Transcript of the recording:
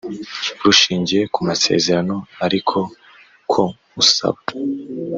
rushingiye ku masezerano ariko ko usaba